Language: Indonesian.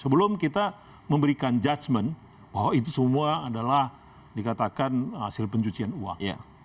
sebelum kita memberikan judgement bahwa itu semua adalah dikatakan hasil pencucian uang